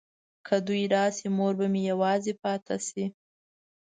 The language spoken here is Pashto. که دوی راشي مور به مې یوازې پاته شي.